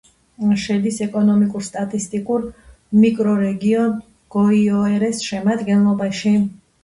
შედის ეკონომიკურ-სტატისტიკურ მიკრორეგიონ გოიოერეს შემადგენლობაში.